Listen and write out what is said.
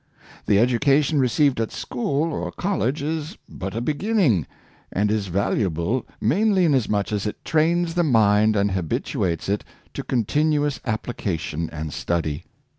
The education received at school or college is but a beginning, and is valuable mainly inasmuch as it trains the mind and habituates it to con tinuous application and study.